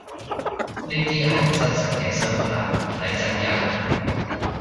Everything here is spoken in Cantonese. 呢啲係真實嘅生活呀，嚟真㗎